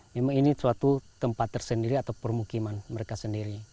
memang ini suatu tempat tersendiri atau permukiman mereka sendiri